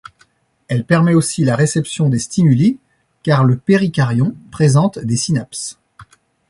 Elle permet aussi la réception des stimuli car le péricaryon présente des synapses.